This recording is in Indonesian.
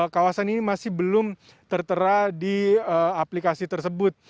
kawasan ini masih belum tertera di aplikasi tersebut